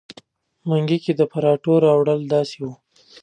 منګي کې د پراټو راوړل داسې وو.